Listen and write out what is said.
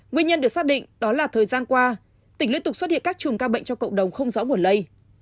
nguyên nhân được xác định đó là thời gian qua tỉnh luyện tục xuất hiện các trùn ca bệnh cho cộng đồng không rõ buồn lây